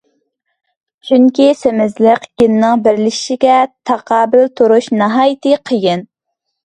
چۈنكى سېمىزلىك گېنىنىڭ بىرلىشىشىگە تاقابىل تۇرۇش ناھايىتى قىيىن.